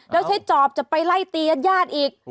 แล้วใช้จอบจะไปไล่ตีญาติอีก